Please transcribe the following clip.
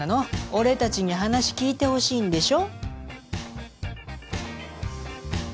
俺達に話聞いてほしいんでしょ？